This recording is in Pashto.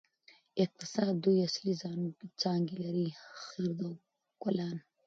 اقتصاد دوه اصلي څانګې لري: خرد او کلان.